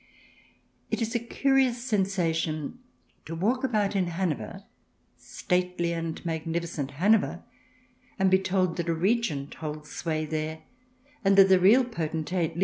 It is a curious sensation to walk about in Hanover — stately and magnificent Hanover — and be told that a Regent holds sway there, and that the real potentate CH.